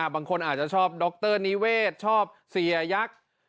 บางคนอาจจะชอบดรนิเวศชอบเสียยักษ์